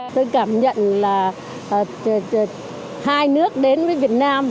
tôi cảm nhận là hai nước đến với việt nam